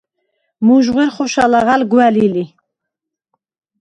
მუჟღუ̂ერ ხოშა ლაღა̈ლდ გუ̂ა̈ლი ლი.